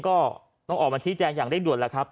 ก็ต้องออกมาชี้แจงอย่างเร่งด่วนแล้วครับ